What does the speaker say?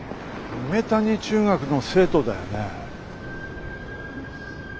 梅谷中学の生徒だよね。